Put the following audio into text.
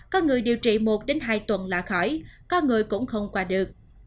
có người điều trị một hai tuần là khỏi có người cũng không qua được